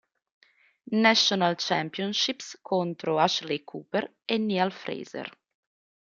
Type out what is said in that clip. National Championships contro Ashley Cooper e Neale Fraser.